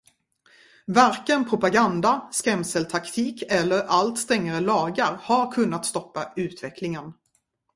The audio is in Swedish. Varken propaganda, skrämseltaktik eller allt strängare lagar har kunnat stoppa utvecklingen.